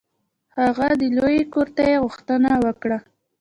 هغه د لویې کرتۍ غوښتنه وکړه.